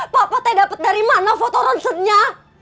papa teh dapat dari mana foto ronsennya